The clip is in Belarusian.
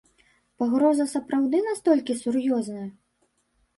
Пагроза сапраўды настолькі сур'ёзная?